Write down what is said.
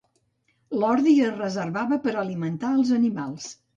L'ordi es reservava per alimentar els animals.